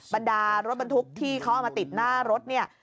บรรดารถบรรทุกที่เขาเอามาติดหน้ารถเนี่ย